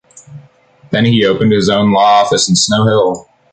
Then he opened his own law office in Snow Hill.